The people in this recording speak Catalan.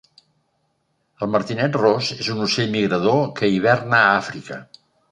El martinet ros és un ocell migrador que hiverna a Àfrica.